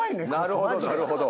なるほどなるほど。